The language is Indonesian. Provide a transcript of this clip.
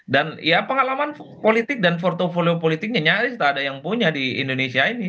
dan ya pengalaman politik dan portfolio politiknya nyaris tak ada yang punya di indonesia ini